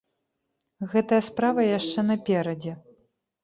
Гэтая справа яшчэ наперадзе.